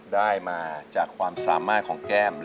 ได้มาจากความสามารถของแก้ม